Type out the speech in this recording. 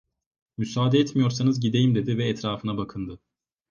"Müsaade etmiyorsanız gideyim!" dedi ve etrafına bakındı.